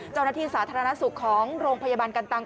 เจ้าหน้าที่สาธารณสุขของโรงพยาบาลกันตังค์